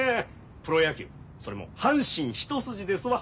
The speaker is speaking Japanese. プロ野球それも阪神一筋ですわ。